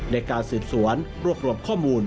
ในการสืบสวนรวบรวมข้อมูล